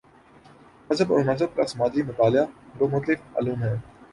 مذہب اور مذہب کا سماجی مطالعہ دو مختلف علوم ہیں۔